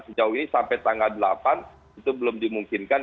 sejauh ini sampai tanggal delapan itu belum dimungkinkan